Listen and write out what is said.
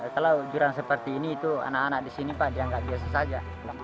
kalau juran seperti ini anak anak di sini pak dia enggak biasa saja